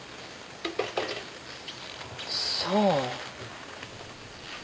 そう。